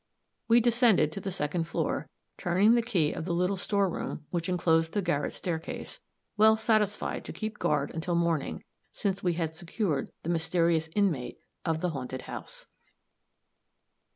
We descended to the second floor, turning the key of the little store room which inclosed the garret staircase, well satisfied to keep guard until morning, since we had secured the mysterious inmate of the haunted house.